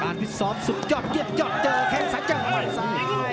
ปราณปิสรมสุดยอดเย็บโยดเจอแค่สัตย์จังหวัดใส